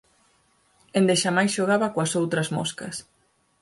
Endexamais xogaba coas outras moscas.